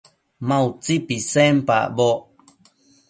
Ma utsi pisenpacboc